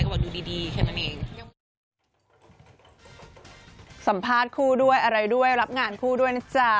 ก็วันนั้นเป็นวันเกิดแป๊งล่ะค่ะ